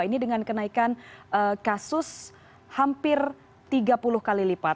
ini dengan kenaikan kasus hampir tiga puluh kali lipat